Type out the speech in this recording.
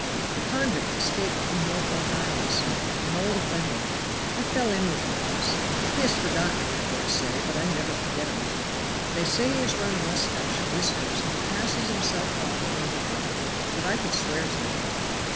"A convict escaped from Norfolk Island, sir; an old offender. I fell in with him once. He has forgotten me I dare say, but I never forget a man. They say he has grown a mustache and whiskers and passes himself off for a nob; but I could swear to him."